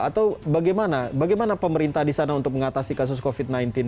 atau bagaimana bagaimana pemerintah di sana untuk mengatasi kasus covid sembilan belas